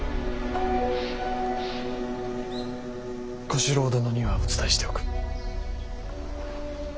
小四郎殿にはお伝えしておく。